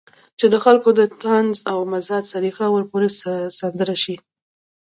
چې د خلکو د طنز او مزاح سليقه به ورپورې سندره شي.